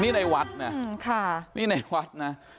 นี่ในวัดนะนี่ในวัดนะ